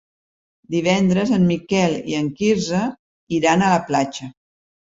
Divendres en Miquel i en Quirze iran a la platja.